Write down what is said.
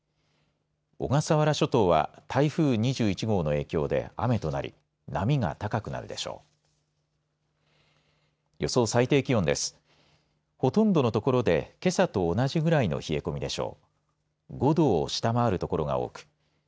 小笠原諸島は台風２１号の影響で雨となり波が高くなるでしょう。